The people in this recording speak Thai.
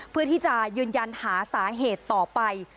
เพื่อที่จะยืนยันหาสาเหตุต่อไป